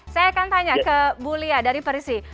saya akan tanya ke bulia dari persi